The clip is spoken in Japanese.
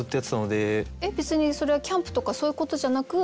えっ別にそれはキャンプとかそういうことじゃなく？